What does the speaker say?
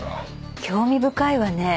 興味深いわね。